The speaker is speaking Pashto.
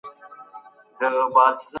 د مور او پلار پښې ښکل کړئ.